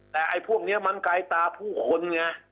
แต่ไอ้พวกนี้มันไกลตาผู้คนไง